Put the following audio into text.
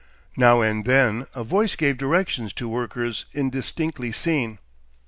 Now and then a voice gave directions to workers indistinctly seen.